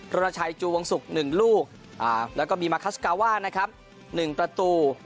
รณชัยจูวงศุกร์๑ลูกแล้วก็มีมาคัสกาว่านะครับ๑ประตู